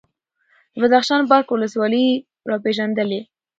د بدخشان بارک ولسوالي یې راپېژندلې،